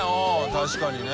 確かにね。